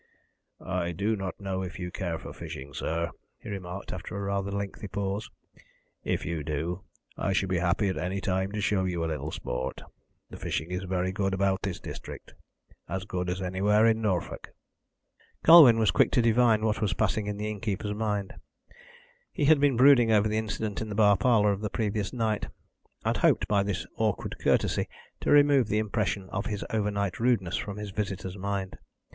"I do not know if you care for fishing, sir," he remarked, after a rather lengthy pause. "If you do, I should be happy at any time to show you a little sport. The fishing is very good about this district as good as anywhere in Norfolk." Colwyn was quick to divine what was passing in the innkeeper's mind. He had been brooding over the incident in the bar parlour of the previous night, and hoped by this awkward courtesy to remove the impression of his overnight rudeness from his visitor's mind.